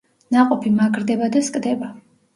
ნაყოფი მაგრდება და სკდება.